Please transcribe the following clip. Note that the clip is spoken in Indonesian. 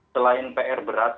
selain pr berat